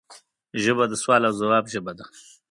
ژبه د سوال او ځواب ژبه ده